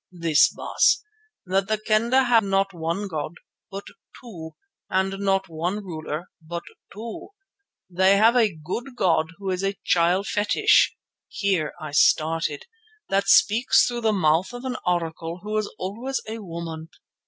"This, Baas: that the Kendah have not one god but two, and not one ruler but two. They have a good god who is a child fetish" (here I started) "that speaks through the mouth of an oracle who is always a woman.